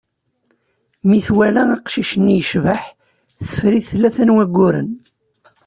Mi twala aqcic-nni, yecbeḥ, teffer-it tlata n wagguren.